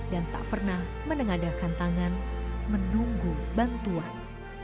dan tak pernah menengadahkan tangan menunggu bantuan